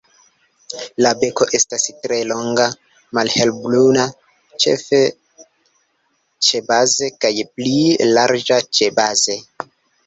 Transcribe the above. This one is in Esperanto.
La beko estas tre longa, malhelbruna -ĉefe ĉebaze- kaj pli larĝa ĉebaze.